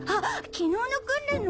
昨日の訓練の！